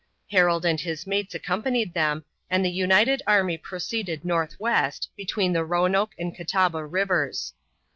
Harold and his mates accompanied them, and the united army proceeded northwest, between the Roanoke and Catawba rivers.